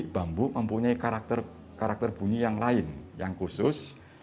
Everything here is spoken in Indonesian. bambu mempunyai karakter bunyi yang lain yang khusus